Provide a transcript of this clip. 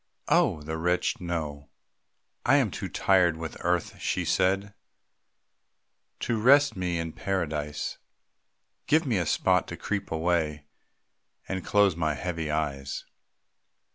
(Oh, the wretched know!) "I am too tired with earth," she said, "To rest me in Paradise. Give me a spot to creep away, And close my heavy eyes.